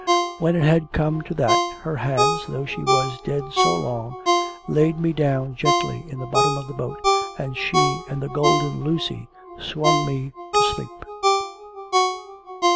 When it had come to that, her hands though she was dead so long laid me down gently in the bottom of the boat, and she and the Golden Lucy swung me to sleep.